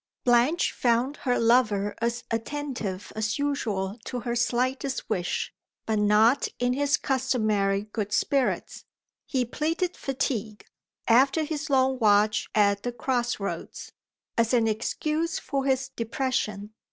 BLANCHE found her lover as attentive as usual to her slightest wish, but not in his customary good spirits. He pleaded fatigue, after his long watch at the cross roads, as an excuse for his depression.